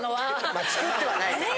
まあ作ってはないけどね。